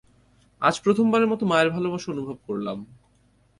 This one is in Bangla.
আজ প্রথমবারের মতো মায়ের ভালোবাসা অনুভব করলাম।